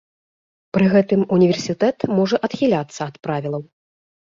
Пры гэтым універсітэт можа адхіляцца ад правілаў.